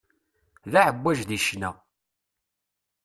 D aεebbwaj di ccna.